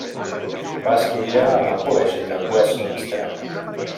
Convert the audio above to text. Va estudiar en el col·legi de Westminster.